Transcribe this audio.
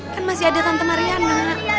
kan masih ada tante mariana